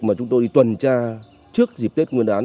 mà chúng tôi đi tuần tra trước dịp tết nguyên đán